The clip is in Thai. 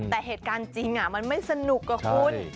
แต่เหตุการณ์จริงมันไม่สนุกกับคุณ